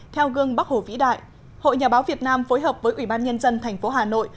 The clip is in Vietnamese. theo gương bắc hồ vĩ đại hội nhà báo việt nam phối hợp với ủy ban nhân dân thành phố hà nội